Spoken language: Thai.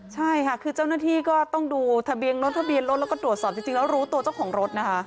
ใช่ค่ะคือเจ้าหน้าที่ก็ต้องดูทะเบียนรถทะเบียนรถแล้วก็ตรวจสอบจริงแล้วรู้ตัวเจ้าของรถนะคะ